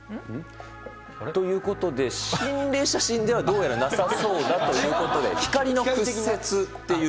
ということで、心霊写真ではどうやらなさそうだということで、光の屈折っていう。